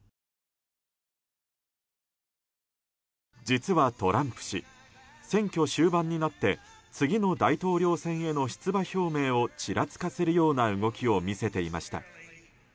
実は、トランプ氏選挙終盤になって次の大統領選への出馬表明をちらつかせるような動きを見せていました。